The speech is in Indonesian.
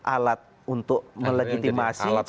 alat untuk melegitimasi